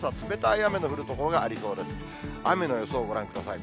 雨の予想をご覧ください。